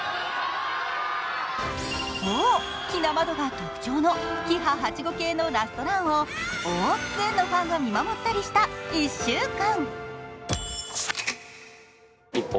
大きな窓が特徴のキハ８５系のラストランを大勢のファンが見守ったりした１週間。